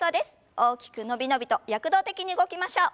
大きく伸び伸びと躍動的に動きましょう。